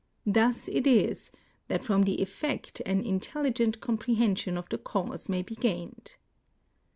Thus it is that from the ertect an intelligent com prehension of the cause may be gained.